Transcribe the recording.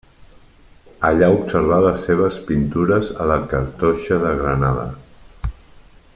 Allà observà les seves pintures a la cartoixa de Granada.